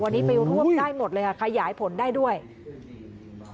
วันนี้มองแล้วท่วมได้หมดเลยค่ะขยายผลได้ด้วยอุ๊ย